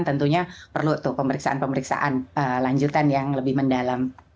tentunya perlu tuh pemeriksaan pemeriksaan lanjutan yang lebih mendalam